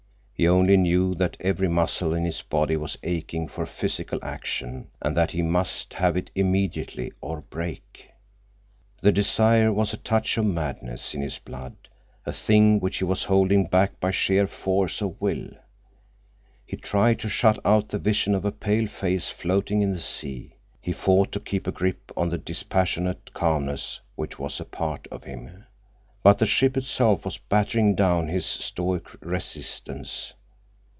He only knew that every muscle in his body was aching for physical action and that he must have it immediately or break. The desire was a touch of madness in his blood, a thing which he was holding back by sheer force of will. He tried to shut out the vision of a pale face floating in the sea; he fought to keep a grip on the dispassionate calmness which was a part of him. But the ship itself was battering down his stoic resistance.